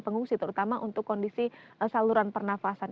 pengungsi terutama untuk kondisi saluran pernafasan